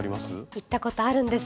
行ったことあるんです。